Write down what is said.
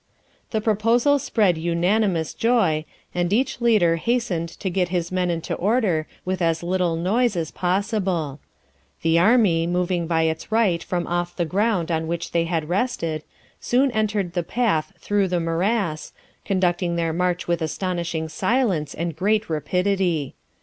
The proposal spread unanimous joy, and each leader hastened to get his men into order with as little noise as possible. The army, moving by its right from off the ground on which they had rested, soon entered the path through the morass, conducting their march with astonishing silence and great rapidity.